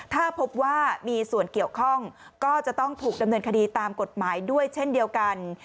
ถ้าพบว่ามีส่วนเกี่ยวข้องก็จะต้องถูกดำเนินคดีตามกฎหมายด้วยเช่นเดียวกัน